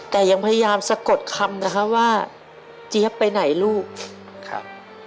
แต่ยังพยายามสะกดคำนะคะว่าเจี๊ยบไปไหนลูกครับ